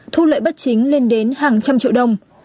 thu lợi bất chính lên đến hàng trăm triệu đồng